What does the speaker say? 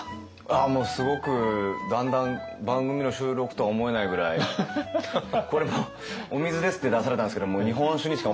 あっもうすごくだんだん番組の収録とは思えないぐらいこれも「お水です」って出されたんですけど日本酒ですよ？